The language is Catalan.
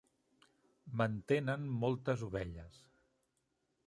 Mantenen moltes ovelles.